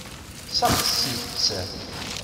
Seɣtit-tt.